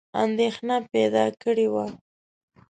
اندېښنه پیدا کړې وه.